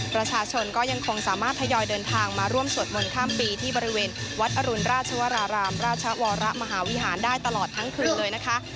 ประชาชนก็ยังคงสามารถทยอยเดินทางมาร่วมสวดมนต์ข้ามปีที่บริเวณวัดอรุณราชวรารามราชวรมหาวิหารได้ตลอดทั้งคืนเลยนะคะ